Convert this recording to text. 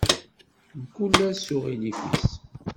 Mkul ass s uɣilif-is.